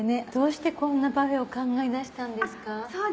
どうしてこんなパフェを考え出したんですか？